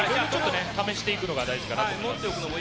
試していくことが大事だと思います。